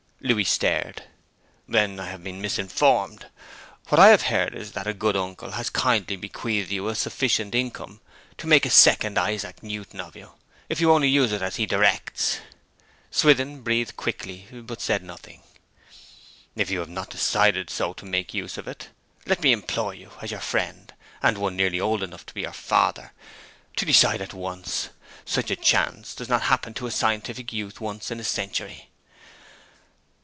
Louis stared. 'Not going? Then I may have been misinformed. What I have heard is that a good uncle has kindly bequeathed you a sufficient income to make a second Isaac Newton of you, if you only use it as he directs.' Swithin breathed quickly, but said nothing. 'If you have not decided so to make use of it, let me implore you, as your friend, and one nearly old enough to be your father, to decide at once. Such a chance does not happen to a scientific youth once in a century.'